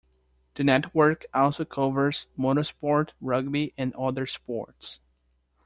The network also covers motorsport, rugby, and other sports.